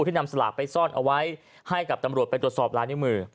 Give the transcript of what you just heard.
ที่นำสลากไปซ่อนเอาไว้ให้กับตำรวจไปตรวจสอบลายนิ้วมือ